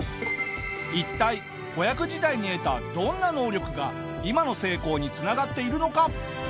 一体子役時代に得たどんな能力が今の成功に繋がっているのか？